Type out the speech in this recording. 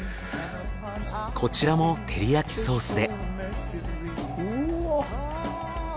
こちらも照り焼きソースでうわっ！